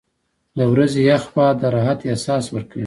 • د ورځې یخ باد د راحت احساس ورکوي.